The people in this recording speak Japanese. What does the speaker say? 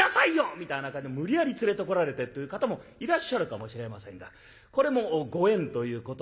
みたいな感じで無理やり連れてこられてという方もいらっしゃるかもしれませんがこれもご縁ということなんでございます。